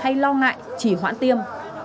hay lo ngại chỉ hoãn tiêm